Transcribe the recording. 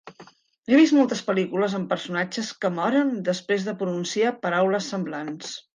Ha vist moltes pel·lícules amb personatges que moren després de pronunciar paraules semblants.